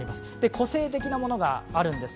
個性的なものがあるんです。